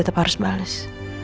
aku tetep harus bales